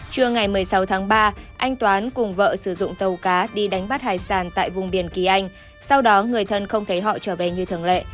trưa ngày một mươi sáu tháng ba anh toán cùng vợ sử dụng tàu cá đi đánh bắt hải sản tại vùng biển kỳ anh sau đó người thân không thấy họ trở về như thường lệ